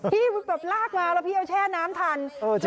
พี่แบบลากมาแล้วพี่เอาแช่น้ำทัน